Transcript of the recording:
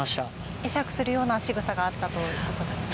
会釈するようなしぐさがあったということですね。